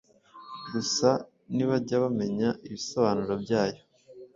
gusa nibajya bamenya ibisobanuro byayo